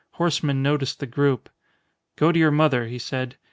Horsemen noticed the group. "Go to your mother," he said.